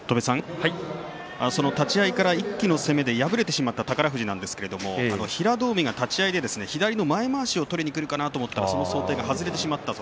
立ち合いから一気の攻めで敗れてしまった宝富士なんですけれども平戸海が立ち合いで左の前まわしを取りにくるかなと思ったらその想定が外れてしまった。